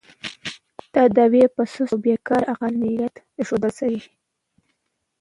تاداو یې په سست او بې کاره عقلانیت اېښودل شوی.